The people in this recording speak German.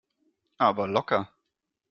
Aber locker!